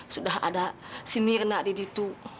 sudah ada si mirna diditu